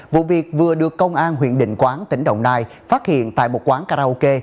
vụ việc vừa được công an huyện định quán tỉnh đồng nai phát hiện tại một quán karaoke